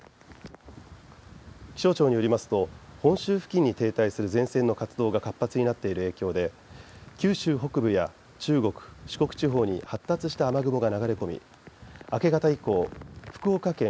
気象庁によりますと本州付近に停滞する前線の活動が活発になっている影響で九州北部や中国・四国地方に発達した雨雲が流れ込み明け方以降福岡県、